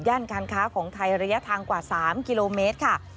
การค้าของไทยระยะทางกว่า๓กิโลเมตรค่ะ